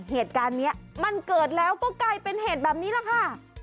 เหตุการณ์นี้มันเกิดแล้วก็กลายเป็นเหตุแบบนี้แหละค่ะ